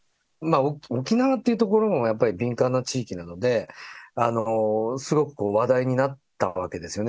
沖縄っていうところも敏感な地域なので、すごく話題になったわけですよね。